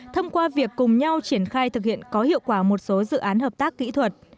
thông qua việc cùng nhau triển khai thực hiện có hiệu quả một số dự án hợp tác kỹ thuật